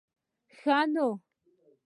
ښه نو.